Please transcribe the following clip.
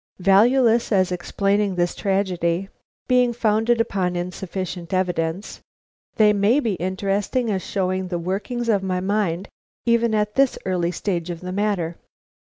Valueless as explaining this tragedy, being founded upon insufficient evidence, they may be interesting as showing the workings of my mind even at this early stage of the matter.